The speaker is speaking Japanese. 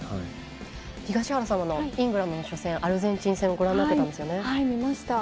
東原さんはイングランドの初戦アルゼンチン戦をご覧になっていたんですよね。はい、見ました。